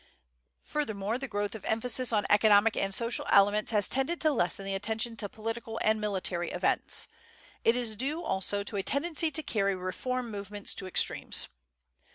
Furthermore, the growth of emphasis on economic and social elements has tended to lessen the attention to political and military events. It is due, also, to a tendency to carry reform movements to extremes.